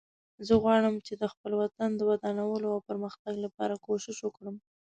زه غواړم چې د خپل وطن د ودانولو او پرمختګ لپاره کوښښ وکړم